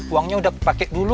uangnya udah kepake dulu